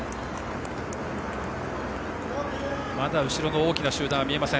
まだ後ろの大きな集団は見えません。